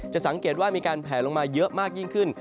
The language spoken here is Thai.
สังเกตว่ามีการแผลลงมาเยอะมากยิ่งขึ้น